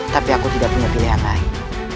tapi aku tidak punya pilihan lain